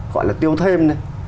gọi là tiêu thêm